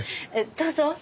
どうぞ。